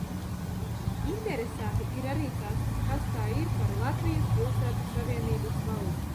Interesanti ir arī tas, kas tā ir par Latvijas Pilsētu savienības valdi.